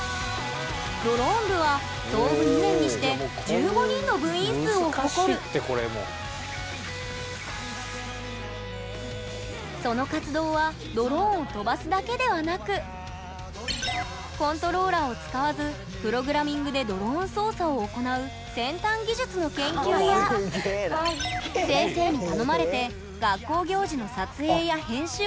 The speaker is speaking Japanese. ドローン部は創部２年にして１５人の部員数を誇るその活動はドローンを飛ばすだけではなくコントローラーを使わずプログラミングでドローン操作を行う先端技術の研究や先生に頼まれて学校行事の撮影や編集を担うなどエネルギーいっぱい！